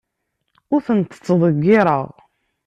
Ur tent-ttḍeyyireɣ.